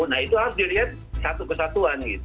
nah itu harus dilihat satu kesatuan gitu